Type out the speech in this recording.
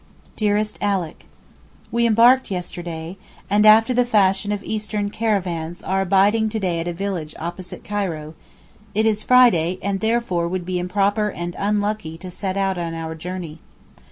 DEAREST ALICK, We embarked yesterday, and after the fashion of Eastern caravans are abiding to day at a village opposite Cairo; it is Friday, and therefore would be improper and unlucky to set out on our journey.